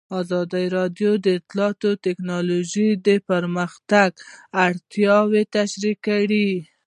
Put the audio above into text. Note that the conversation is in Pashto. ازادي راډیو د اطلاعاتی تکنالوژي د پراختیا اړتیاوې تشریح کړي.